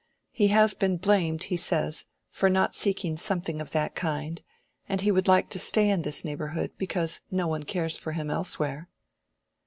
He has been blamed, he says, for not seeking something of that kind, and he would like to stay in this neighborhood because no one cares for him elsewhere."